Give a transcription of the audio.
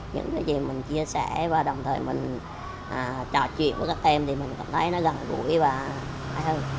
những cái gì mình chia sẻ và đồng thời mình trò chuyện với các em thì mình cảm thấy nó gần gũi và hơn